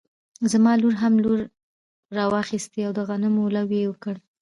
زما لور هم لور راواخيستی او د غنمو لو يې وکړی